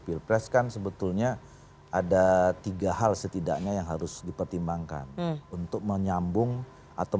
pilpres kan sebetulnya ada tiga hal setidaknya yang harus dipertimbangkan untuk menyambung atau